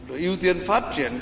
ưu tiên phát triển